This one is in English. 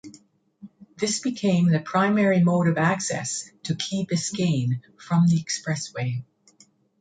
This became the primary mode of access to Key Biscayne from the expressway.